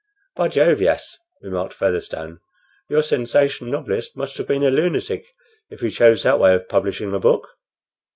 "By Jove! yes," remarked Featherstone. "Your sensation novelist must have been a lunatic if he chose that way of publishing a book."